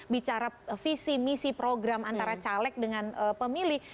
bicara visi misi program antara caleg dengan pemilih